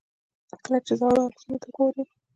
کله چې زاړو عکسونو ته ګورئ.